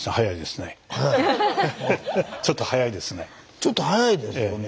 ちょっと速いですね。